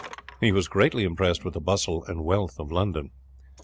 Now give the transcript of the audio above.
He was greatly impressed with the bustle and wealth of London.